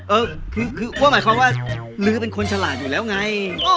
เออคือว่าหมายความว่าลื้อเป็นคนฉลาดอยู่แล้วไง